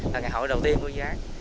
là ngày hội đầu tiên của dự án